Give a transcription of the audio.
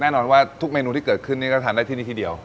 แน่นอนว่าทุกเมนูที่เกิดขึ้นนี่ก็ทานได้ที่นี่ทีเดียว